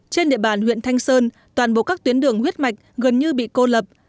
trên địa bàn huyện thanh sơn toàn bộ các tuyến đường huyết mạch gần như bị cô lập